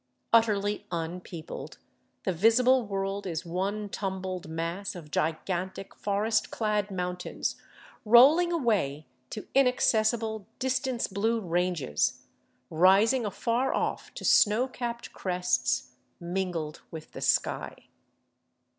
Utterly unpeopled, the visible world is one tumbled mass of gigantic forest clad mountains rolling away to inaccessible distance blue ranges, rising afar off to snow capped crests mingled with the sky.